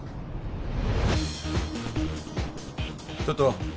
ちょっと。